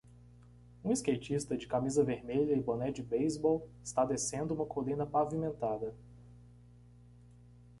Um skatista de camisa vermelha e boné de beisebol está descendo uma colina pavimentada.